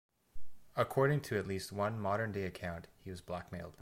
According to at least one modern day account he was blackmailed.